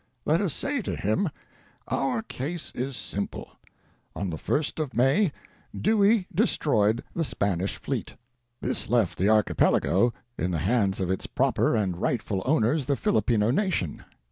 Let us say to him : "'Our case is simple. On the 1st of May, Dewey destroyed the Spanish fleet. This left the Archipelago in the hands of its proper and rightful owners, the Filipino nation.